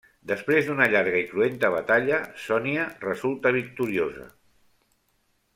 Després d'una llarga i cruenta batalla, Sonia resulta victoriosa.